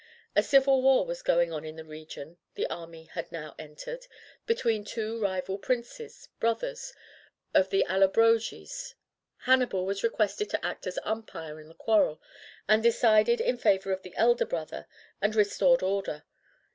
A civil war was going on in the region the army had now entered, between two rival princes, brothers, of the Allobroges. Hannibal was requested to act as umpire in the quarrel, and decided in favour of the elder brother and restored order.